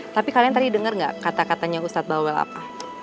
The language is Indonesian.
tapi kalian tadi dengar gak kata katanya ustadz bawel apa